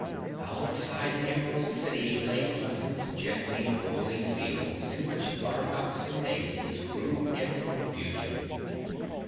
Outside the Emerald City lay pleasant, gently rolling fields in which buttercups and daisies grew in profusion.